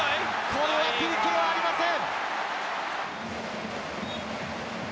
これはＰＫはありません。